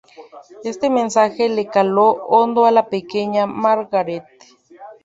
Este mensaje le caló hondo a la pequeña Margaret.